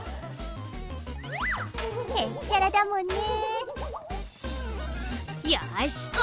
へっちゃらだもんね。